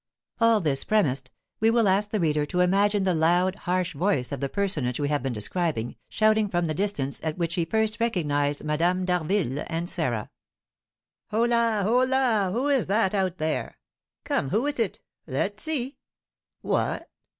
All this premised, we will ask the reader to imagine the loud, harsh voice of the personage we have been describing, shouting from the distance at which he first recognised Madame d'Harville and Sarah: "Holla! holla! who is that out there? Come, who is it? Let's see. What!